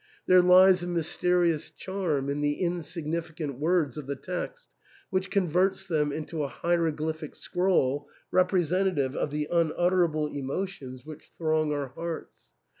There lies a mysterious charm in the insignificant words of the text which converts them into a hieroglyphic scroll representative of the unut terable emotions which throng our hearts.